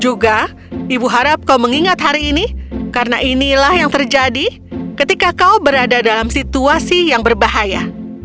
juga ibu harap kau mengingat hari ini karena inilah yang terjadi ketika kau berada dalam situasi yang berbahaya